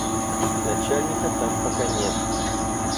Начальника там пока нет.